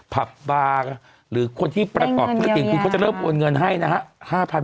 ผับบาร์หรือคนที่ประกอบธุรกิจคุณก็จะเริ่มโอนเงินให้นะฮะ